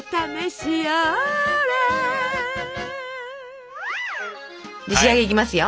じゃあ仕上げいきますよ。